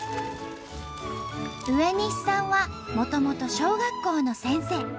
植西さんはもともと小学校の先生。